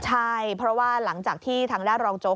ใช่เพราะว่าหลังจากที่ทางด้านรองโจ๊